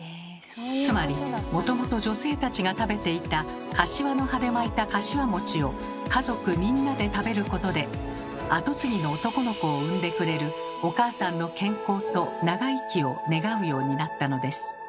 つまりもともと女性たちが食べていたかしわの葉で巻いたかしわを家族みんなで食べることで跡継ぎの男の子を産んでくれるお母さんの健康と長生きを願うようになったのです。